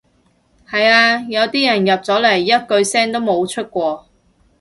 係呀，有啲人入咗嚟一句聲都冇出過